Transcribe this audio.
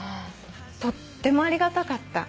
とってもありがたかった。